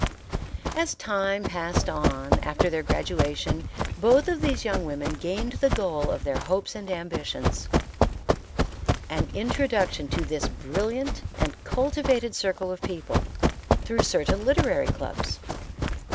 As time passed on after their graduation, both of these young women gained the goal of their hopes and ambitions: an introduction to this brilliant and cultivated circle of people through certain literary clubs.